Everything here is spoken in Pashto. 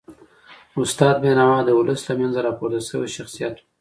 استاد بینوا د ولس له منځه راپورته سوی شخصیت و.